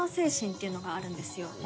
っていうのがあるんですよ。